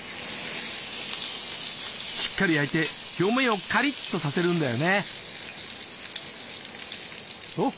しっかり焼いて表面をカリッとさせるんだよね。